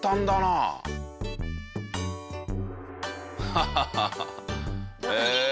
ハハハハへえ。